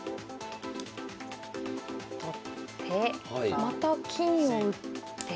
取ってまた金を打って。